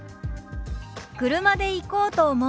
「車で行こうと思う」。